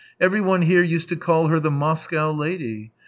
" Everyone here used to call her the Moscow lady.